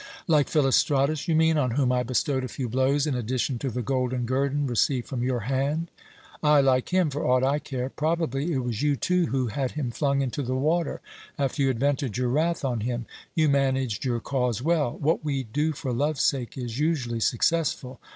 "Like Philostratus, you mean, on whom I bestowed a few blows in addition to the golden guerdon received from your hand?" "Ay, like him, for aught I care. Probably it was you, too, who had him flung into the water, after you had vented your wrath on him? You managed your cause well. What we do for love's sake is usually successful.